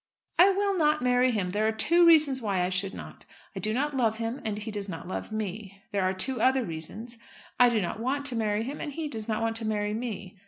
"I will not marry him. There are two reasons why I should not. I do not love him, and he does not love me. There are two other reasons. I do not want to marry him, and he does not want to marry me."